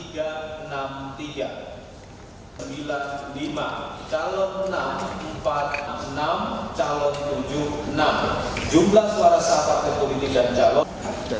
tiga enam tiga sembilan lima calon enam empat enam calon tujuh enam jumlah suara sahabat kekomitmen dan calon